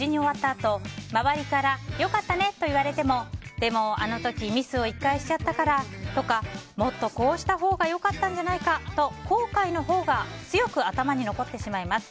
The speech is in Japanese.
あと周りから良かったねと言われてもでもあの時ミスを１回しちゃったからとかもっとこうしたほうが良かったんじゃないかとか後悔のほうが強く頭に残ってしまいます。